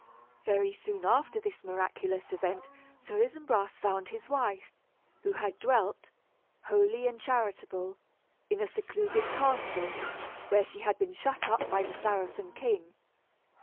Very soon after this miraculous event Sir Isumbras found his wife, who had dwelt, holy and charitable, in a secluded castle, where she had been shut up by the Saracen king.